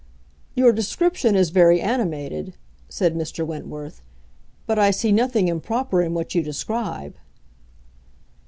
"Your description is very animated," said Mr. Wentworth; "but I see nothing improper in what you describe."